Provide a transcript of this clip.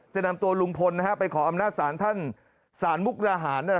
จะนำตัวลุงพลไปขออำนาจศาลท่านศาลมุกราหาร